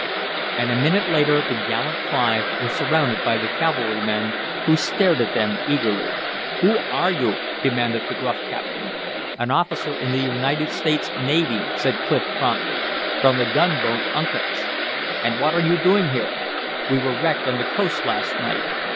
And a minute later the gallant five were surrounded by the cavalrymen, who stared at them eagerly. "Who are you?" demanded the gruff captain. "An officer in the United States Navy," said Clif, promptly. "From the gunboat Uncas." "And what are you doing here?" "We were wrecked on the coast last night.